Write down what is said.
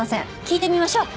聞いてみましょう。